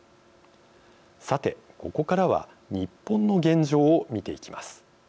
さてここからは日本の現状を見ていきます。